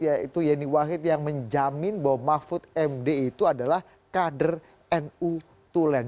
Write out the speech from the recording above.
yaitu yeni wahid yang menjamin bahwa mahfud md itu adalah kader nu tulen